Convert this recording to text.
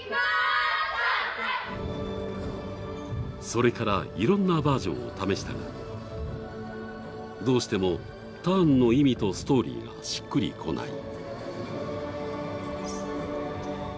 それからいろんなバージョンを試したがどうしても、ターンの意味とストーリーがしっくりこない。